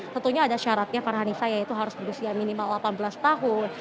tentunya ada syaratnya farhanisa yaitu harus berusia minimal delapan belas tahun